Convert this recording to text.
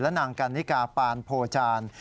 และนางกันนิกาปานโพจาร์